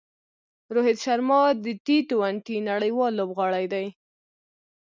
روهیت شرما د ټي ټوئنټي نړۍوال لوبغاړی دئ.